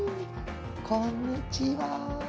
こんにちは。